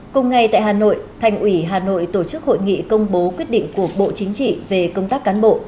cùng ngày tại hà nội thành ủy hà nội tổ chức hội nghị công bố quyết định của bộ chính trị về công tác cán bộ